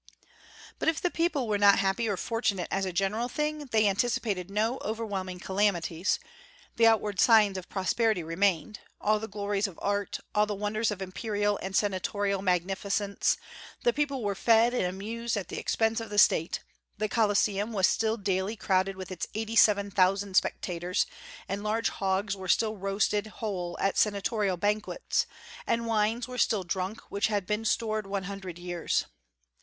But if the people were not happy or fortunate as a general thing, they anticipated no overwhelming calamities; the outward signs of prosperity remained, all the glories of art, all the wonders of imperial and senatorial magnificence; the people were fed and amused at the expense of the State; the colosseum was still daily crowded with its eighty seven thousand spectators, and large hogs were still roasted whole at senatorial banquets, and wines were still drunk which had been stored one hundred years.